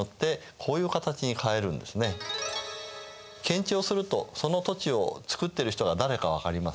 検地をするとその土地を作っている人が誰か分かりますね。